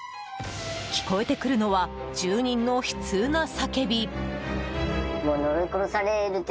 聞こえてくるのは住人の悲痛な叫び。